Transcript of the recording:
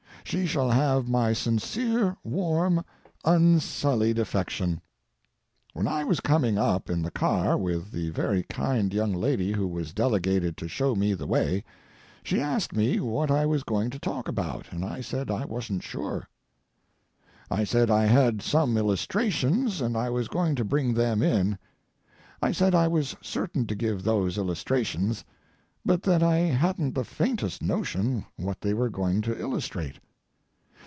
She shall have my sincere, warm, unsullied affection. When I was coming up in the car with the very kind young lady who was delegated to show me the way, she asked me what I was going to talk about. And I said I wasn't sure. I said I had some illustrations, and I was going to bring them in. I said I was certain to give those illustrations, but that I hadn't the faintest notion what they were going to illustrate.